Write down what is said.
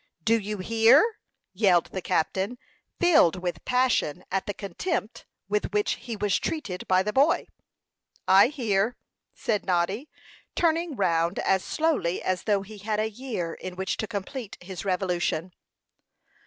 "Do you hear?" yelled the captain, filled with passion at the contempt with which he was treated by the boy. "I hear," said Noddy, turning round as slowly as though he had a year in which to complete his revolution.